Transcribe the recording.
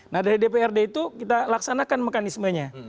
nah dari dprd itu kita laksanakan mekanismenya